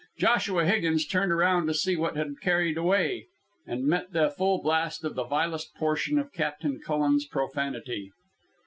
Joshua Higgins turned around to see what had carried away, and met the full blast of the vilest portion of Captain Cullen's profanity.